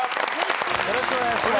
よろしくお願いします。